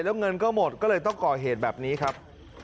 แล้วเงินก็หมดก็เลยต้องก่อเหตุแบบนี้ครับ